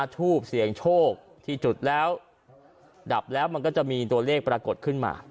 ทูบเสียงโชคที่จุดแล้วดับแล้วมันก็จะมีตัวเลขปรากฏขึ้นมา